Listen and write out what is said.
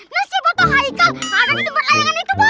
nih si botol haikal ada di tempat layangan itu bos